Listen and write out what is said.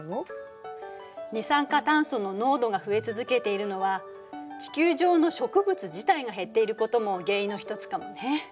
二酸化炭素の濃度が増え続けているのは地球上の植物自体が減っていることも原因の一つかもね。